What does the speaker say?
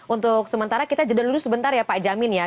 untuk sementara kita jeda dulu sebentar ya pak jamin ya